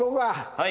はい。